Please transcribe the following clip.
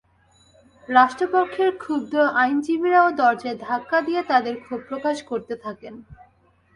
রাষ্ট্রপক্ষের ক্ষুব্ধ আইনজীবীরাও দরজায় ধাক্কা দিয়ে তাঁদের ক্ষোভ প্রকাশ করতে থাকেন।